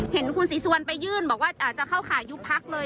เห็นคุณศรีสวรไปยื่นบอกว่าจะเข้าขายุบภาคเลย